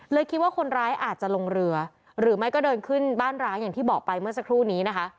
คิดว่าคนร้ายอาจจะลงเรือหรือไม่ก็เดินขึ้นบ้านร้างอย่างที่บอกไปเมื่อสักครู่นี้นะคะ